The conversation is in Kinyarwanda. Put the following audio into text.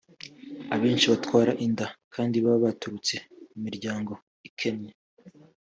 Abenshi batwara inda kandi baba baturutse mu miryango ikennye